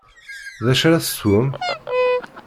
D acu ara teswem?